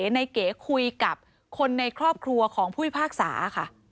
ในเก๋คุยกับคนในครอบครัวของผู้พิพากษาค่ะ